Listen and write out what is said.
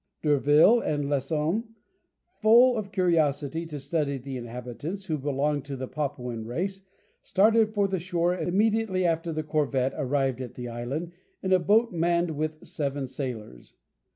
D'Urville and Lesson, full of curiosity to study the inhabitants, who belonged to the Papuan race, started for the shore immediately after the corvette arrived at the island in a boat manned with seven sailors.